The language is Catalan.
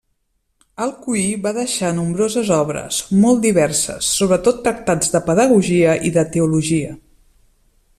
Alcuí va deixar nombroses obres, molt diverses, sobretot tractats de pedagogia i de teologia.